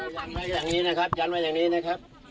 จัดไว้อย่างนี้นะครับจัดไว้อย่างนี้นะครับ